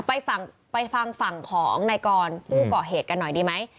ไปฝั่งไปฝั่งฝั่งของนายกรพูดก่อเหตุกันหน่อยดีไหม